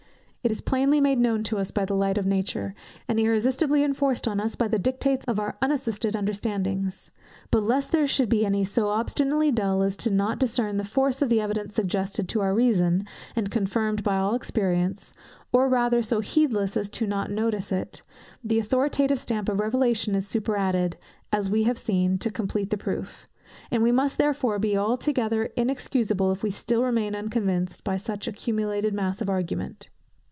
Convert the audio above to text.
It is plainly made known to us by the light of nature, and irresistibly enforced on us by the dictates of our unassisted understandings. But lest there should be any so obstinately dull, as not to discern the force of the evidence suggested to our reason, and confirmed by all experience, or rather so heedless as not to notice it, the authoritative stamp of Revelation is superadded, as we have seen, to complete the proof; and we must therefore be altogether inexcusable, if we still remain unconvinced by such accumulated mass of argument.